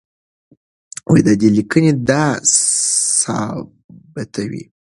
د ده لیکنې دا ثابتوي.